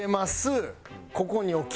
ここに置きます。